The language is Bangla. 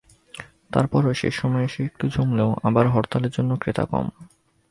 তার পরও শেষ সময়ে এসে একটু জমলেও আবার হরতালের জন্য ক্রেতা কম।